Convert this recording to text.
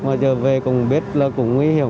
mà giờ về cũng biết là cũng nguy hiểm